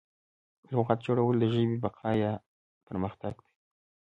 لغت جوړول د ژبې بقا ده.